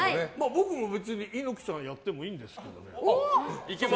僕も猪木さんやってもいいんですけどね。